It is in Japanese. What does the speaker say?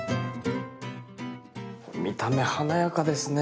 見た目華やかですね。